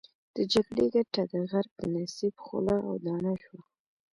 د جګړې ګټه د غرب د نصیب خوله او دانه شوه.